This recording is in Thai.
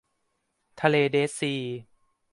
ทะเลเดดซี